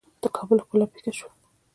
د کابل ښکلا پیکه شوه.